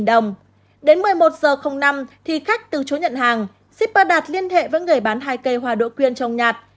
đến một mươi một h năm thì khách từ chối nhận hàng zipper đạt liên hệ với người bán hai cây hòa đỗ quyên cho ông nhạt